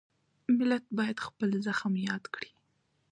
ملت باید خپل زخم یاد کړي.